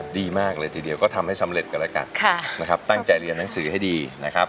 ดีมากเลยทีเดียวก็ทำให้สำเร็จกับรายการตั้งใจเรียนหนังสือให้ดี